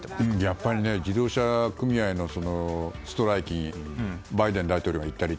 やっぱり自動車組合のストライキバイデン大統領が行ったり。